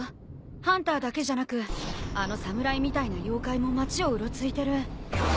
ハンターだけじゃなくあの侍みたいな妖怪も町をうろついてる。